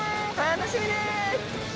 楽しみです！